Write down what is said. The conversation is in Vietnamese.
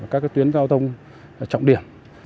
các tuyến giao thông trọng điểm